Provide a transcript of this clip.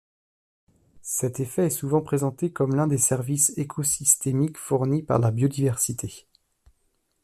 Cet effet est souvent présenté comme l’un des services écosystémiques fournis par la biodiversité.